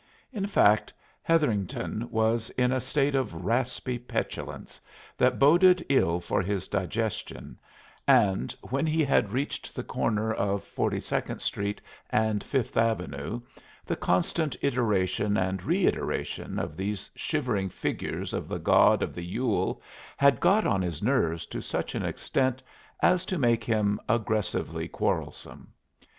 In fact, Hetherington was in a state of raspy petulance that boded ill for his digestion, and when he had reached the corner of Forty second Street and Fifth Avenue, the constant iteration and reiteration of these shivering figures of the god of the Yule had got on his nerves to such an extent as to make him aggressively quarrelsome.